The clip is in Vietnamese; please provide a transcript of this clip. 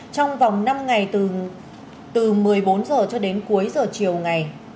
trong vòng năm ngày từ một mươi bốn h cho đến cuối giờ chiều ngày